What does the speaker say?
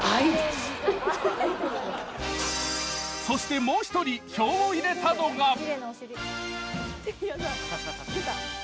そしてもう１人票を入れたのが。